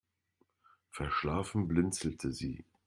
Verschlafen blinzelte sie.